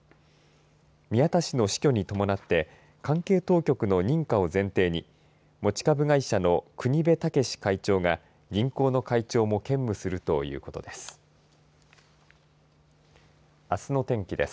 宮田氏の死去に伴って関係当局の認可を前提に持ち株会社の國部毅会長が銀行の会長も兼務するということです。